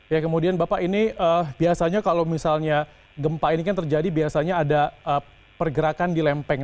ya kemudian bapak ini biasanya kalau misalnya gempa ini kan terjadi biasanya ada pergerakan di lempeng